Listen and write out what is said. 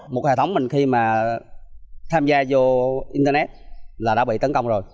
một hệ thống mình khi mà tham gia vô internet là đã bị tấn công rồi